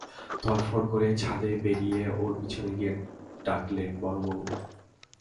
ধড়ফড় করে উঠে ছাদে বেরিয়ে ওর পিছনে গিয়ে ডাকলে, বড়োবউ!